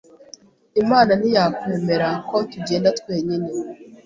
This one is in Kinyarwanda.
” Imana ntiyakwemera ko tugenda twenyine